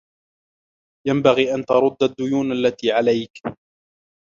ينبغي أن ترد الديون التي عليك.